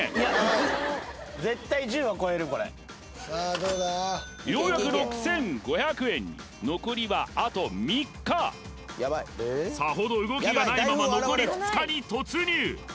絶対１０は超えるこれようやく６５００円に残りはあと３日さほど動きがないまま残り２日に突入